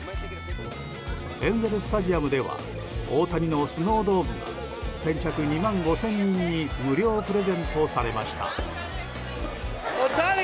エンゼル・スタジアムでは大谷のスノードームが先着２万５０００人に無料でプレゼントされました。